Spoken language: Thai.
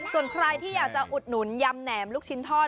ส่วนใครที่อยากจะอุดหนุนยำแหนมลูกชิ้นทอด